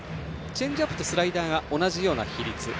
チェンジアップとスライダーが同じような比率。